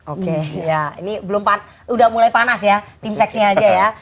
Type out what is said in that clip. oke ya ini belum panas udah mulai panas ya tim seksnya aja ya